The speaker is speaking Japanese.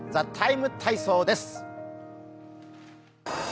「ＴＨＥＴＩＭＥ，体操」です。